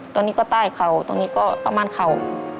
ตอนนี้ก็ใต้เข่าตรงนี้ก็ประมาณเข่า